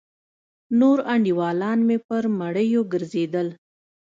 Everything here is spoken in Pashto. نور انډيوالان مې پر مړيو گرځېدل.